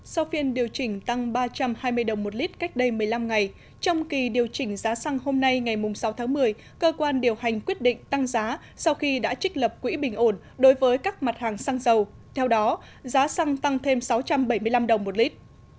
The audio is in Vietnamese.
sau phiên điều chỉnh tăng ba trăm hai mươi đồng một lít cách đây một mươi năm ngày trong kỳ điều chỉnh giá xăng hôm nay ngày sáu tháng một mươi cơ quan điều hành quyết định tăng giá sau khi đã trích lập quỹ bình ổn đối với các mặt hàng xăng dầu theo đó giá xăng tăng thêm sáu trăm bảy mươi năm đồng một lít